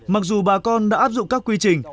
mặc dù bà con đã áp dụng các quy trình